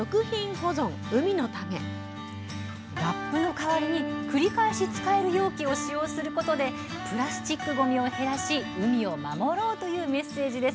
ラップの代わりに繰り返し使える容器を使用することでプラスチックごみを減らして海を守ろうというメッセージです。